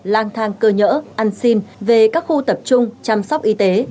lang thang cơ nhỡ ăn xin về các khu tập trung chăm sóc y tế